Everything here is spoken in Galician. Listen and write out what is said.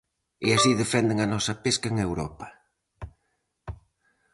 E así defenden a nosa pesca en Europa.